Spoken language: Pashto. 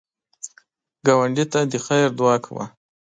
ګاونډي ته د خیر دعا کوه